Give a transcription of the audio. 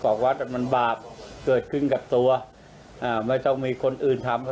วัดมันบาปเกิดขึ้นกับตัวอ่าไม่ต้องมีคนอื่นทำ